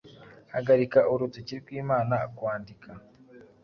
Hagarika, urutoki rw'Imana, kwandika!